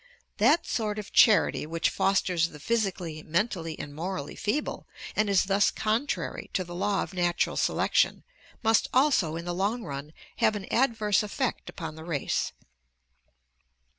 That sort of charity which fosters the physically, mentally, and morally feeble, and is thus contrary to the law of natural selection, must also in the long run have an adverse effect upon the race.